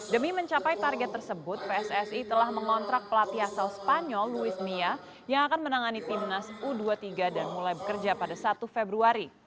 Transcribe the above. demi mencapai target tersebut pssi telah mengontrak pelatih asal spanyol luis mia yang akan menangani timnas u dua puluh tiga dan mulai bekerja pada satu februari